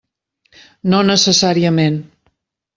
No necessàriament.